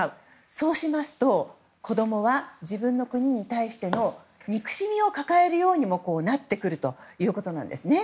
そうしますと、子供は自分の国に対しての憎しみを抱えるようにもなってくるということです。